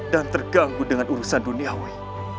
dan terganggu dengan urusan duniawi